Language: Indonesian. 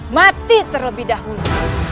mati terlebih dahulu